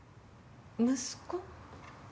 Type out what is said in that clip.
息子？